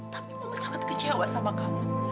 tapi mama sangat kecewa sama kamu